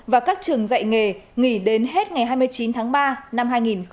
và các trường dạy nghề nghỉ đến hết ngày hai mươi chín tháng ba năm hai nghìn hai mươi